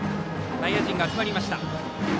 内野陣が集まりました。